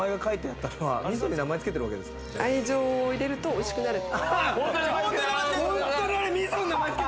愛情を入れると美味しくなるって。